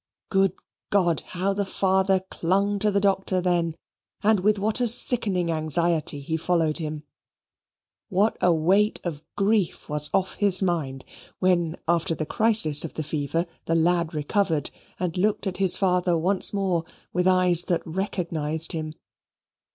Good God! how the father clung to the doctor then, and with what a sickening anxiety he followed him: what a weight of grief was off his mind when, after the crisis of the fever, the lad recovered, and looked at his father once more with eyes that recognised him.